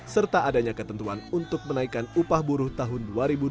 serta adanya ketentuan untuk menaikkan upah buruh tahun dua ribu dua puluh